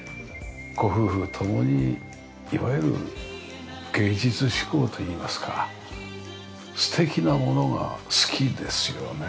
ご夫婦共にいわゆる芸術志向といいますか素敵なものが好きですよね。